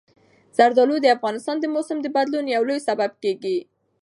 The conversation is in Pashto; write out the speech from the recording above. زردالو د افغانستان د موسم د بدلون یو لوی سبب کېږي.